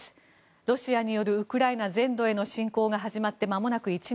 ロシアによるウクライナ全土への侵攻が始まってまもなく１年。